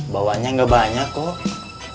bawanya gak banyak kok